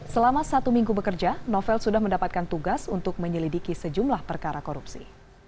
selama satu minggu bekerja novel sudah mendapatkan tugas untuk menyelidiki sejumlah perkara korupsi